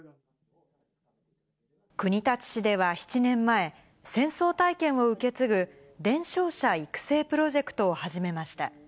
国立市では７年前、戦争体験を受け継ぐ伝承者育成プロジェクトを始めました。